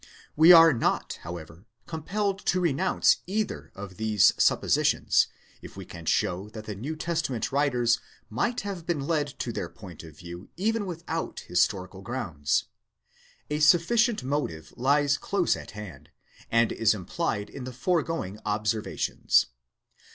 We are not, however, compelled to renounce either of these suppositions, if we can show that the New Testament writers might have been led to their point of view even without historical grounds. A sufficient motive lies close at hand, and is implied in the foregoing observations.